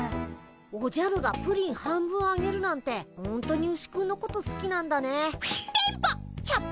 おじゃるがプリン半分あげるなんてほんとにウシくんのことすきなんだね。